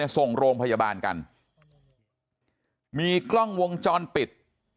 ส่งโรงพยาบาลกันมีกล้องวงจรปิด